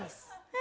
え！